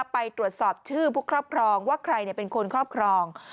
ไปตรวจสอบชื่อผู้ครอบครองว่าใครเป็นคนครอบครอง